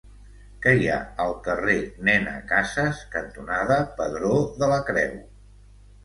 Què hi ha al carrer Nena Casas cantonada Pedró de la Creu?